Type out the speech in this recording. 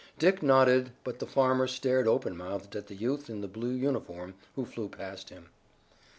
Dick nodded but the farmer stared open mouthed at the youth in the blue uniform who flew past him.